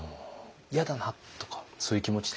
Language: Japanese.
嫌だなとかそういう気持ちって実際。